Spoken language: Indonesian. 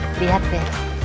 pak lihat deh